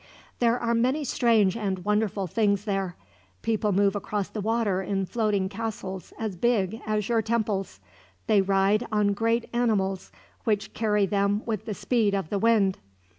There are many strange and wonderful things there. People move across the water in floating castles as big as your temples. They ride on great animals, which carry them with the speed of the wind.